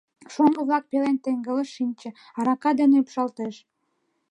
Шоҥго-влак пелен теҥгылыш шинче, арака дене ӱпшалтеш.